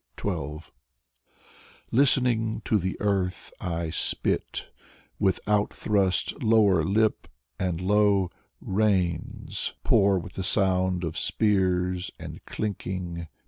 12 Listening to the earth, I spit With out thrust, lower lip, And lo! Rains Pour with the sound of spears And, clinking.